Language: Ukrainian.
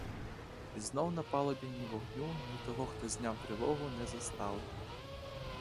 І знов на палубі ні вогню, ні того, хто зняв тривогу, не застали.